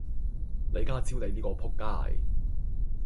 李家超你呢個仆街